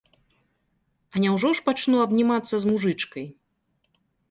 А няўжо ж пачну абнімацца з мужычкай?